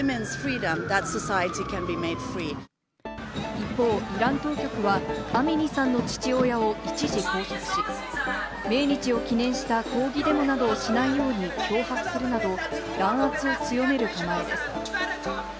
一方、イラン当局はアミニさんの父親を一時拘束し、命日を記念した抗議デモなどをしないように脅迫するなど弾圧を強める構えです。